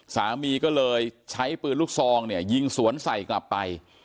สามีก็เลยใช้ปืนลูกซองเนี่ยยิงสวนใส่กลับไป